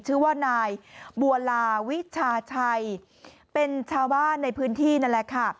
ชื่อว่านายบัวลาวิชาชัยเป็นชาวบ้านในพื้นที่นั่นแหละค่ะ